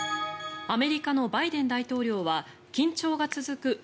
アメリカのバイデン大統領は緊張が続く